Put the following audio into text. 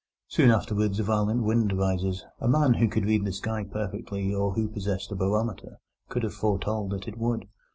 Soon afterwards a violent wind rises; a man who could read the sky perfectly or who possessed a barometer could have foretold that it would.